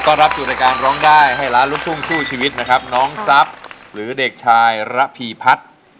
ขอต้อนรับอยู่รายการร้องได้ให้ล้านลุกทุ่งสู้ชีวิตนะครับน้องซับหรือเด็กชายระพี่พัด